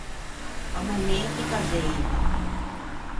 À momenti cazzeivan.